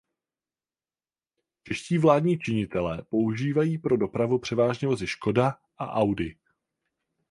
Čeští vládní činitelé používají pro dopravu převážně vozy Škoda a Audi.